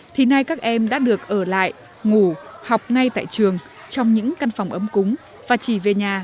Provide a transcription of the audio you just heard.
thì nay các em đã được ở lại ngủ học ngay tại trường trong những căn phòng ấm cúng và chỉ về nhà